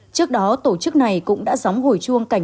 trước đó tổ chức này cũng đã gióng hồi chuông cảnh